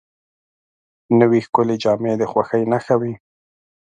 نوې ښکلې جامې د خوښۍ نښه وي